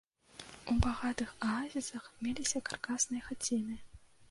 У багатых аазісах меліся каркасныя хаціны.